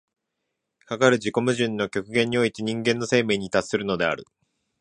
かかる自己矛盾の極限において人間の生命に達するのである。